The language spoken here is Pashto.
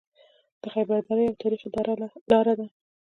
د خیبر دره یوه تاریخي لاره ده